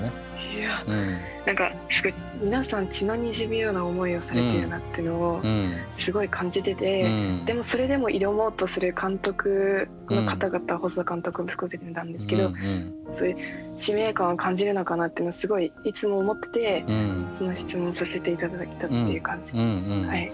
いや何かすごい皆さん血のにじむような思いをされているなっていうのをすごい感じててそれでも挑もうとする監督の方々細田監督も含めてなんですけど使命感を感じるのかなってのをすごいいつも思っててこの質問をさせて頂いたっていう感じです。